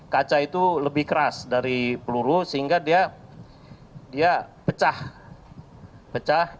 kaca itu lebih keras dari peluru sehingga dia pecah